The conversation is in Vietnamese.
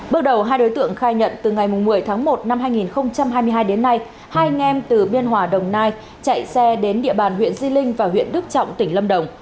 bước đầu hai đối tượng khai nhận từ ngày một mươi tháng một năm hai nghìn hai mươi hai đến nay hai anh em từ biên hòa đồng nai chạy xe đến địa bàn huyện di linh và huyện đức trọng tỉnh lâm đồng